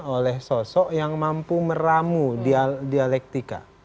oleh sosok yang mampu meramu dialektika